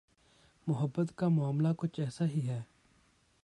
محبت کا معاملہ کچھ ایسا ہی ہے۔